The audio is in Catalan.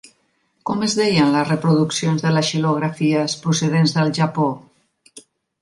Com es deien les reproduccions de les xilografies procedents del Japó?